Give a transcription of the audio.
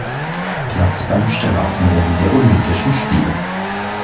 Platz beim Straßenrennen der Olympischen Spiele.